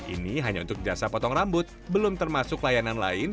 ini hanya untuk jasa potong rambut belum termasuk layanan lain